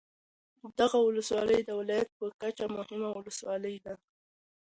دغه ولسوالي د ولایت په کچه مهمه ولسوالي ده